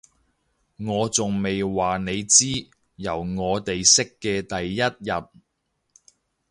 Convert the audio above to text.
我仲未話你知，由我哋識嘅第一日